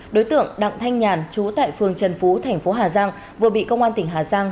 đối tượng đặng thanh nhàn chú tại phường trần phú thành phố hà giang vừa bị công an tỉnh hà giang